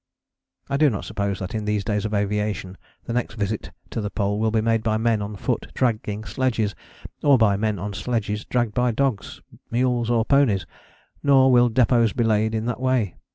I do not suppose that in these days of aviation the next visit to the Pole will be made by men on foot dragging sledges, or by men on sledges dragged by dogs, mules or ponies; nor will depôts be laid in that way.